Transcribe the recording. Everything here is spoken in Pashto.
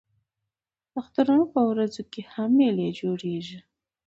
د اخترونو په ورځو کښي هم مېلې جوړېږي.